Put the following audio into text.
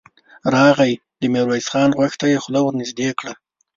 راغی، د ميرويس خان غوږ ته يې خوله ور نږدې کړه.